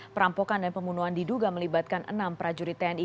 perampokan dan pembunuhan diduga melibatkan enam prajurit tni